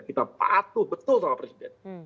kita patuh betul sama presiden